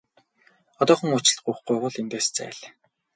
Одоохон уучлалт гуйхгүй бол эндээс зайл!